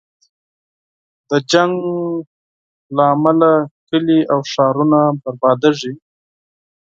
د جنګ له امله کلی او ښارونه بربادېږي.